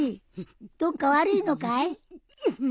どっか悪いのかい？